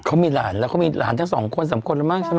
เขามีหลานแล้วเขามีหลานทั้งสองคนสามคนแล้วมั้งใช่ไหม